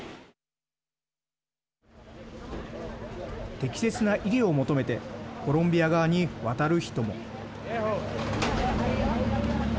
適切な医療を求めてコロンビア側に渡る人も。